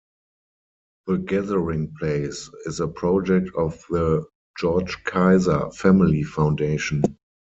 The Gathering Place is a project of the George Kaiser Family Foundation.